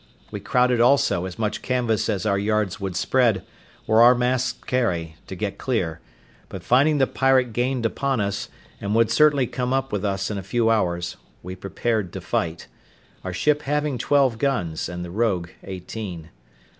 We crowded also as much canvas as our yards would spread, or our masts carry, to get clear; but finding the pirate gained upon us, and would certainly come up with us in a few hours, we prepared to fight; our ship having twelve guns, and the rogue eighteen.